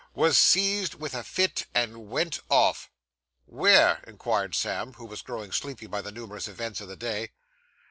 was seized with a fit and went off.' 'Where?' inquired Sam, who was growing sleepy after the numerous events of the day.